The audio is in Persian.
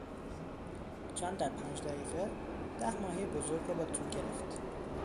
جان در پنج دقیقه ده ماهی بزرگ را با تور گرفت.